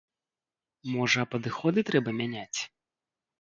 Можа, падыходы трэба мяняць?